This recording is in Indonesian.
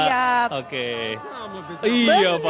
iya pak ya siap